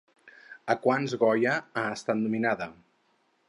A quants Goya ha estat nominada?